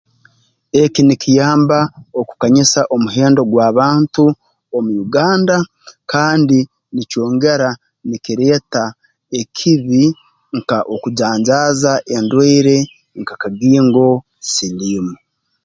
Eki nikyamba okukanyisa omuhendo gw'abantu omu Uganda kandi nikyongera nikireeta ekibi nka okujanjaaza endwaire nka kagingo siliimu